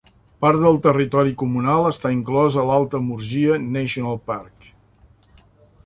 Part del territori comunal està inclòs a l"Alta Murgia National Park.